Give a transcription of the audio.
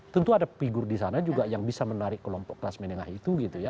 tentu ada figur di sana juga yang bisa menarik kelompok kelas menengah itu gitu ya